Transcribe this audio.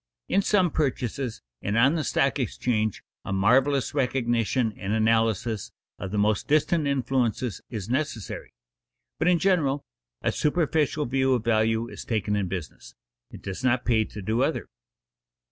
In some purchases, and on the stock exchange, a marvelous recognition and analysis of the most distant influences is necessary; but in general a superficial view of value is taken in business; it does not pay to do other.